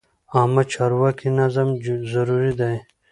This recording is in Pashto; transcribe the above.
عامه چارو کې نظم ضروري دی.